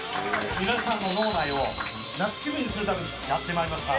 皆さんの脳内を夏気分にするためにやってまいりました。